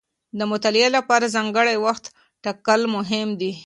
د مطالعې لپاره ځانګړی وخت ټاکل مهم دي.